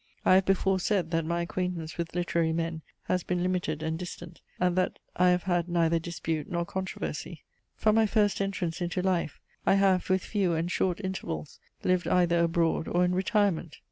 I have before said, that my acquaintance with literary men has been limited and distant; and that I have had neither dispute nor controversy. From my first entrance into life, I have, with few and short intervals, lived either abroad or in retirement.